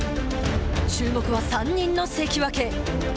注目は３人の関脇。